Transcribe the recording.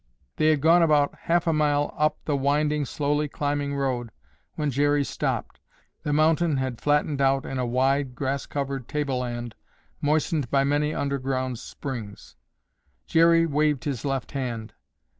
They had gone about half a mile up the winding, slowly climbing road when Jerry stopped. The mountain had flattened out in a wide grass covered tableland moistened by many underground springs. Jerry waved his left hand.